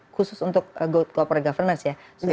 khusus untuk governess ya